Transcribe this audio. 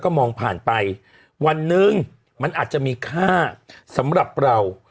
ก็มองผ่านไปวันหนึ่งมันอาจจะมีค่าสำหรับเรา